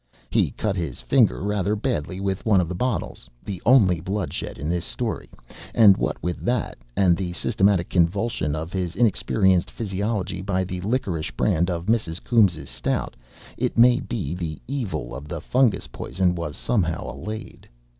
He cut his finger rather badly with one of the bottles the only bloodshed in this story and what with that, and the systematic convulsion of his inexperienced physiology by the liquorish brand of Mrs. Coombes' stout, it may be the evil of the fungus poison was somehow allayed.